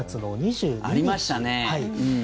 ありましたね。